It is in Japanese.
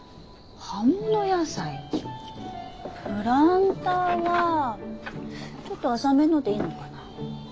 プランターはちょっと浅めのでいいのかな。